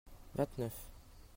vingt neuf.